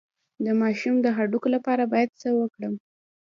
د ماشوم د هډوکو لپاره باید څه وکړم؟